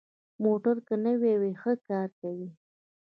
موټر که نوي وي، ښه کار کوي.